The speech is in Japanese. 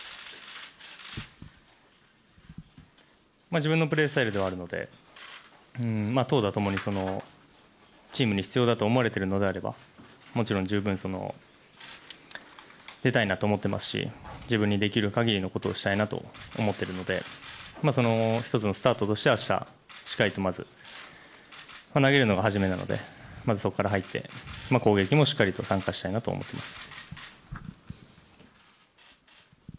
自分のプレースタイルではあるので投打ともにチームに必要だと思われているのであればもちろん十分出たいなと思っていますし自分にできる限りのことをしたいなと思っているので１つのスタートとして明日、しっかりと投げるのが初めなのでまずそこから入って攻撃もしっかり参加したいなと思っています。